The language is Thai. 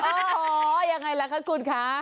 โอ้โหยังไงล่ะคะคุณคะ